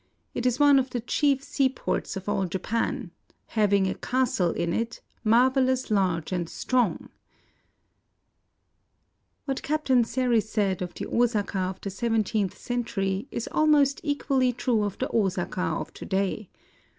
It is one of the chiefe sea ports of all lapan ; hauing a castle in it, maruellous large and strong" ... What Captain Saris said of the Osaka of the seventeenth century is almost equally true of the Osaka of to day.